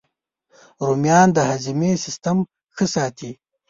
رومیان د هاضمې سیسټم ښه ساتي